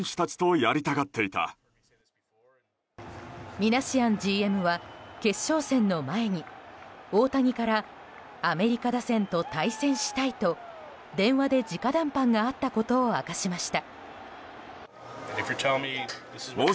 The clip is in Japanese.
ミナシアンＧＭは決勝戦の前に大谷からアメリカ打線と対戦したいと電話で直談判があったことを明かしました。